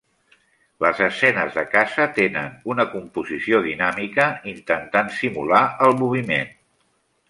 Les escenes de caça tenen una composició dinàmica, intentant simular el moviment.